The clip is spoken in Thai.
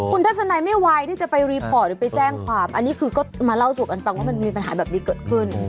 คุณทัศนัยไม่ไหวที่จะไปรีพอร์ตหรือไปแจ้งความอันนี้คือก็มาเล่าสู่กันฟังว่ามันมีปัญหาแบบนี้เกิดขึ้น